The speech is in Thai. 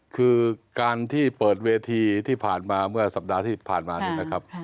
คือการที่เปิดเวทีที่ผ่านมาเมื่อสัปดาห์ที่ผ่านมาเนี่ยนะครับ